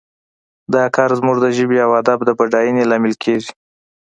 دا کار زموږ د ژبې او ادب د بډاینې لامل کیږي